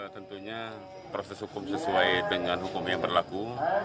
tentunya proses hukum sesuai dengan hukum yang berlaku